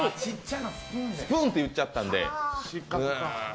スプーンで言っちゃったので。